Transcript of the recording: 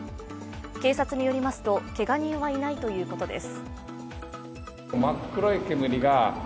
警察によりますとけが人はいないということです。